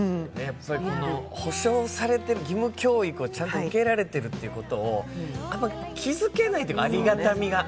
保証されている義務教育をちゃんと受けられているということをあまり気づけないというか、ありがたみが。